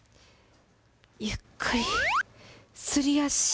ゆっくり、すり足。